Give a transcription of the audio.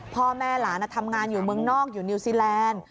พ่อแม่หลานทำงานอยู่เมืองนอกอยู่นิวซีแลนด์